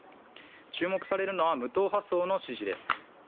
注目されるのは無党派層の支持です。